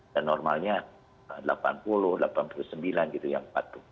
dan normalnya delapan puluh delapan puluh sembilan gitu yang patuh